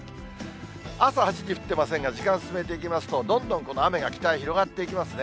朝８時、降ってませんが、時間進めていきますと、どんどんこの雨が北へ広がっていきますね。